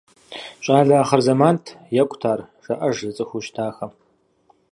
«Щӏалэ ахъырзэмант, екӏут ар», – жаӏэж зыцӏыхуу щытахэм.